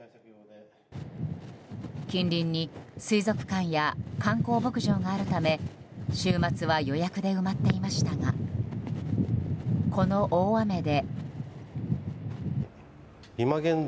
近隣に水族館や観光牧場があるため週末は予約で埋まっていましたがこの大雨で。